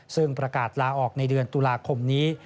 ซึ่งประกาศลาออกในเดือนตุลาคมนี้